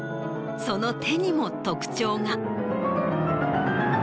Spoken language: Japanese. その手にも特徴が。